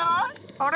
あれ？